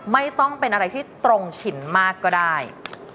ไม่ต้องเป็นอะไรที่ตรงฉินมากก็ได้